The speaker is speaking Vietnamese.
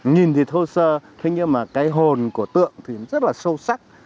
nhìn thì thô sơ thế nhưng mà cái hồn của tượng thì rất là sâu sắc